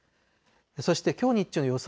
そしてきょう日中の予想